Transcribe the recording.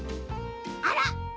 あら！